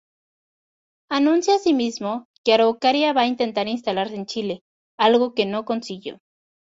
Anuncia asimismo que ""Araucaria" va a intentar instalarse en Chile", algo que no consiguió.